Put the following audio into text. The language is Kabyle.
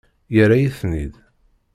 Yerra-yi-ten-id.